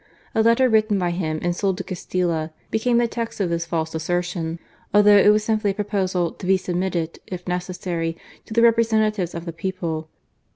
A letter written by him and sold to •Castilla, became the text of this false assertion ; although it was simply a proposition "to be sub mitted," if necessary, " to the representatives of the people."